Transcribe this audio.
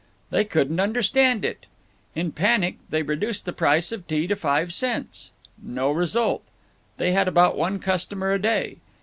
They couldn't understand it. In panic they reduced the price of tea to five cents. No result. They had about one customer a day.